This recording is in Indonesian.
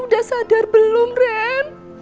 udah sadar belum ren